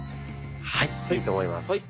はいいいと思います。